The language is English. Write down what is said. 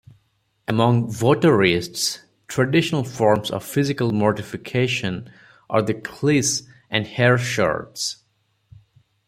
Among votarists, traditional forms of physical mortification are the cilice and hair-shirts.